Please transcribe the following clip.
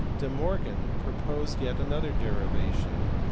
De Morgan * proposed yet another derivation.